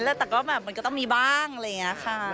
แต่ก็แบบมันก็ต้องมีบ้างอะไรอย่างนี้ค่ะ